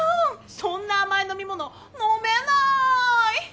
そんな甘い飲み物飲めない！